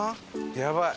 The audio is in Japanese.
やばい。